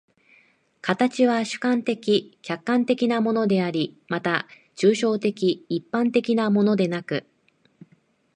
形は主観的・客観的なものであり、また抽象的一般的なものでなく、